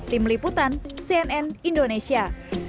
tim liputan cnn indonesia